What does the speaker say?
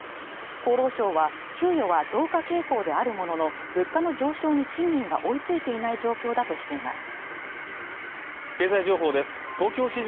厚労省は給与は増加傾向であるものの物価の上昇に賃金が追いついていない状況だとしています